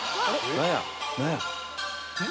何や？